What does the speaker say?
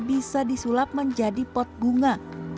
bisa disulap menjadi pot bunga